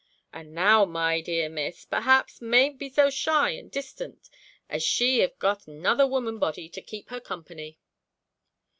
And now my dear Miss, perhaps, may'nt be so shy and distant, as she have got another woman body to keep her company.'